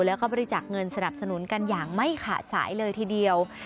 แล้วก็บริจาคเงินสนับสนุนกันอย่างไม่ขาดสายเลยทีเดียว